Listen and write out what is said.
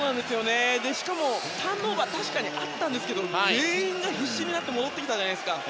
しかも、ターンオーバーが確かにあったんですが全員が必死になって戻ってきたじゃないですか。